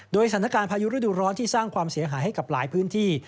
โดยสถานการณ์พายุฤดูร้อนที่สร้างความเสียหายให้กับหลายพื้นที่